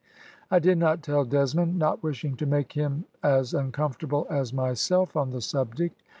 I did not tell Desmond, not wishing to make him as uncomfortable as myself on the subject.